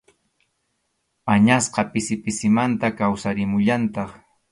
Añasqa pisi pisimanta kawsarimullantaq.